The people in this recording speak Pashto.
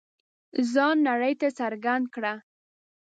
ځان نړۍ ته څرګند کړ.